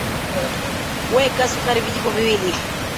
Weka sukari vijiko viwili